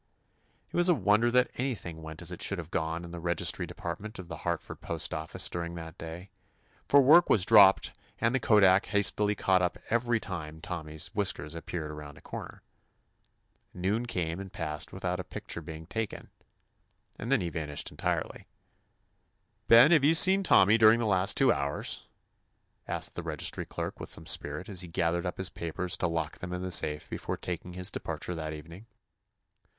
It was a wonder that anything went as it should have gone in the Registry Department of the Hart ford postoffice during that day, for work was dropped and the kodak has tily caught up every time Tommy's 169 THE ADVENTURES OF whiskers appeared around a corner. Noon came and passed without a pic Determined to "snap that cat." ture being taken, and then he van ished entirely. "Ben, have you seen Tommy dur ing the last two hours?" asked the 170 TOMMY POSTOFFICE registry clerk with some spirit as he gathered up his papers to lock them in the safe before taking his depar ture that evening.